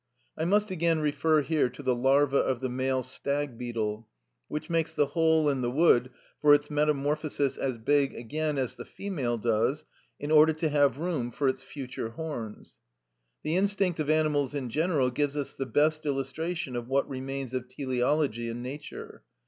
(41) I must again refer here to the larva of the male stag beetle, which makes the hole in the wood for its metamorphosis as big again as the female does, in order to have room for its future horns. The instinct of animals in general gives us the best illustration of what remains of teleology in nature.